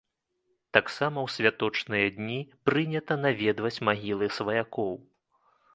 Таксама ў святочныя дні прынята наведваць магілы сваякоў.